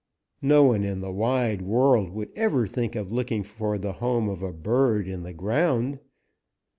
No one in the wide world would ever think of looking for the home of a bird in the ground.